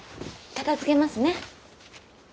片づけますね。